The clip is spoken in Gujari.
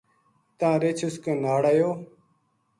تاں رچھ اس کے ناڑ اَیو